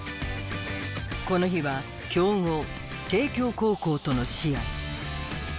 この日は強豪帝京高校との試合。